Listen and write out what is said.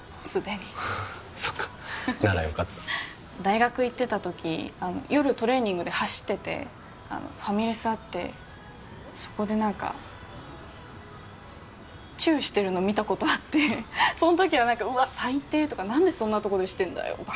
すでにそうかならよかった大学行ってたとき夜トレーニングで走っててファミレスあってそこで何かチュウしてるの見たことあってそのときは何か「うわっ最低」とか「何でそんなとこでしてんだよ